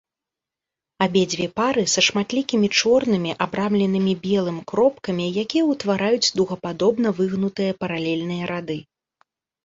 Абедзве пары са шматлікімі чорнымі абрамленымі белым кропкамі, якія ўтвараюць дугападобна выгнутыя паралельныя рады.